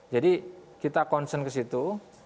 kita concern ke situ